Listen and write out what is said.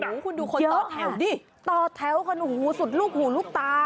โหคุณดูคนตอดแถวสิต่อแถวค่ะโหสุดลูกหูลูกตา